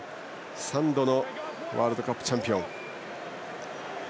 ３度のワールドカップチャンピオン。